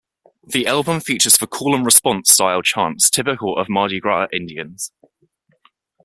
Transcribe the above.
The album features the "call-and-response" style chants typical of Mardi Gras Indians.